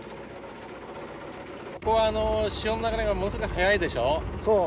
ここは潮の流れがものすごい速いでしょう？